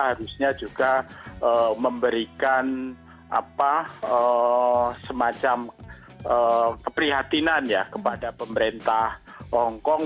harusnya juga memberikan semacam keprihatinan kepada pemerintah hong kong